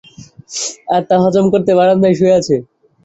আর তা হজম করতে বারান্দায় শুয়ে আছে।